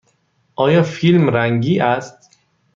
آیا فیلم رنگی است؟